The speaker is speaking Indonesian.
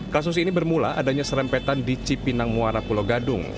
kasus ini bermula adanya serempetan di cipinang muara pulau gadung